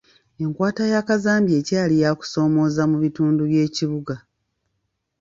Enkwata ya kazambi ekyali yakusoomooza mu bitundu by'ekibuga.